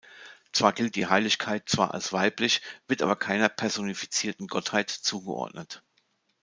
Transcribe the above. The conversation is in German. Zwar gilt die Heiligkeit zwar als weiblich, wird aber keiner personifizierten Gottheit zugeordnet.